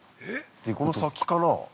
◆この先かな。